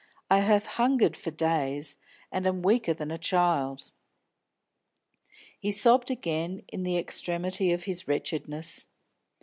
I have hungered for days, and I am weaker than a child." He sobbed again in the extremity of his wretchedness.